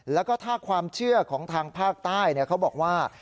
แล้วก็ถ้าความเชื่อของทางภาคใต้เขาบอกว่า